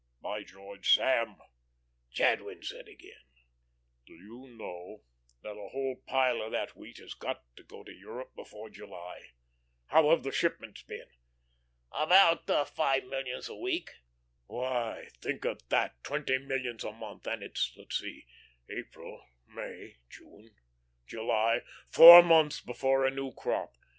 "By George, Sam," Jadwin said again, "do you know that a whole pile of that wheat has got to go to Europe before July? How have the shipments been?" "About five millions a week." "Why, think of that, twenty millions a month, and it's let's see, April, May, June, July four months before a new crop.